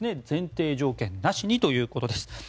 前提条件なしにということです。